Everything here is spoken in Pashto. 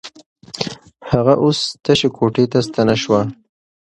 هغه اوس تشې کوټې ته ستنه شوه.